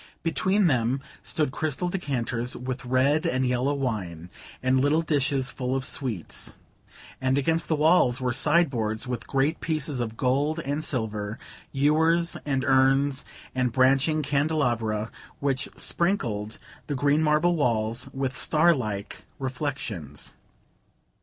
Between them stood crystal decanters with red and yellow wine, and little dishes full of sweets; and against the walls were sideboards with great pieces of gold and silver, ewers and urns and branching candelabra, which sprinkled the green marble walls with starlike reflections.